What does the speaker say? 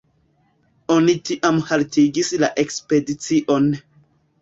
Oni tiam haltigis la ekspedicion.